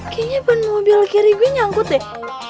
kayaknya pun mobil kiri gue nyangkut deh